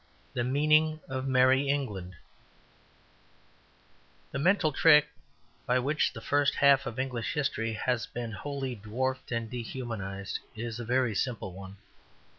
VIII THE MEANING OF MERRY ENGLAND The mental trick by which the first half of English history has been wholly dwarfed and dehumanized is a very simple one.